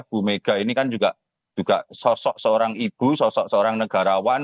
bu mega ini kan juga sosok seorang ibu sosok seorang negarawan